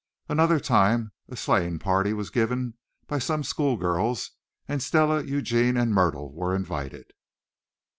Another time a sleighing party was given by some school girls, and Stella, Eugene and Myrtle were invited.